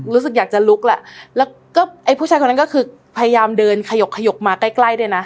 รู้สึกอยากจะลุกแหละแล้วก็ไอ้ผู้ชายคนนั้นก็คือพยายามเดินขยกขยกมาใกล้ใกล้ด้วยนะ